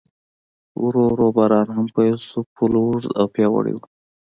ورو ورو باران هم پیل شو، پل اوږد او پیاوړی و.